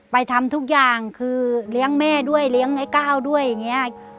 ทำทุกอย่างคือเลี้ยงแม่ด้วยเลี้ยงไอ้ก้าวด้วยอย่างนี้